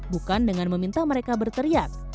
bukan dengan meminta mereka berteriak